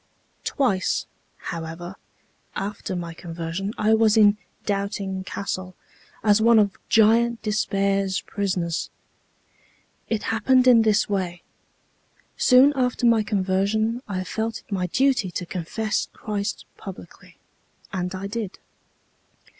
"Twice, however, after my conversion I was in 'Doubting Castle' as one of Giant Despair's prisoners. It happened in this way: Soon after my conversion I felt it my duty to confess Christ publicly, and I did.